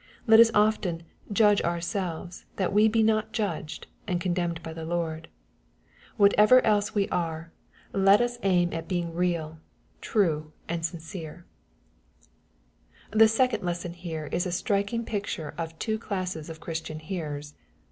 Let us often "judge ourselves, that we be not judged," and condemned by the Lord. Whatever else we are, let us aim at being real, true, and sincere. MATTHEW, CHAP. VH. 71 The second lesson here is a striking picture of two clasaes of Christian hearers.